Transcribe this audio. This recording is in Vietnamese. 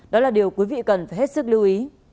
đó là điều quý vị cần phải hết sức lưu ý